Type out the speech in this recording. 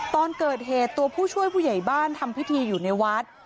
ตอนเกิดเหตุตัวผู้ช่วยผู้ใหญ่บ้านทำพิธีอยู่ในวัด